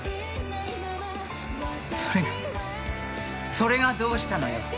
それがそれがどうしたのよ。